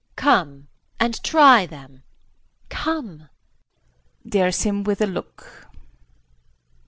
Come and try them come! [Dares him with a look.